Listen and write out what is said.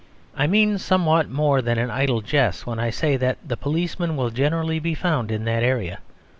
I mean somewhat more than an idle jest when I say that the policeman will generally be found in that area.